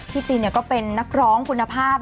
ตินก็เป็นนักร้องคุณภาพ